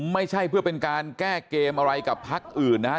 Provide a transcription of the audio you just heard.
ไม่ใช่เพื่อเป็นการแก้เกมอะไรกับพักอื่นนะครับ